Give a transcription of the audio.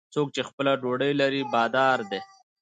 څوک چې خپله ډوډۍ لري، بادار دی.